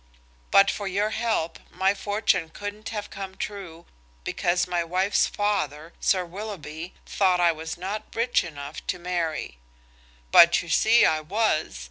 But for your help my fortune couldn't have come true, because my wife's father, Sir Willoughby, thought I was not rich enough to marry. But you see I was.